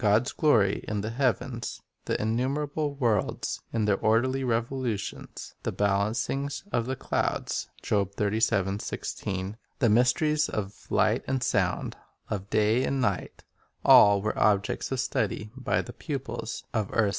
God's glory in the heavens, the innumerable worlds in their orderly revolutions, "the balancings of the clouds," 4 the mysteries of light and sound, of day and night, — all were objects of study by the pupils of earth's first school.